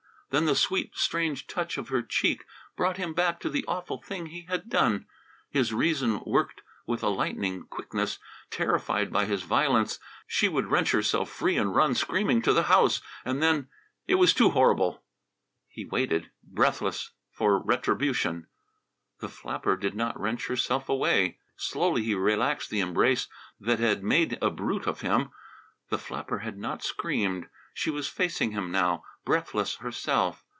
Then the sweet strange touch of her cheek brought him back to the awful thing he had done. His reason worked with a lightning quickness. Terrified by his violence she would wrench herself free and run screaming to the house. And then it was too horrible! He waited, breathless, for retribution. The flapper did not wrench herself away. Slowly he relaxed the embrace that had made a brute of him. The flapper had not screamed. She was facing him now, breathless herself.